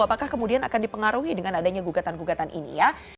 apakah kemudian akan dipengaruhi dengan adanya gugatan gugatan ini ya